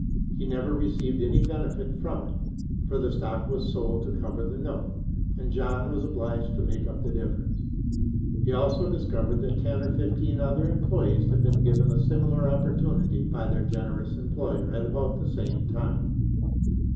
He never received any benefit from it, for the stock was sold to cover the note, and John was obliged to make up the difference. He also discovered that ten or fifteen other employees had been given a similar opportunity by their generous employer at about the same time.